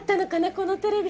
このテレビ。